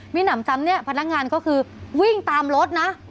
มีหนำซ้ำเนี่ยพนักงานก็คือวิ่งตามรถนะ